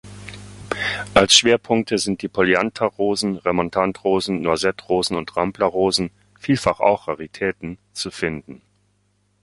Als Schwerpunkte sind die Polyantha-Rosen, Remontant-Rosen, Noisette-Rosen und Rambler-Rosen, vielfach auch Raritäten, zu finden.